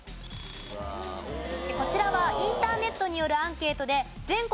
こちらはインターネットによるアンケートで全国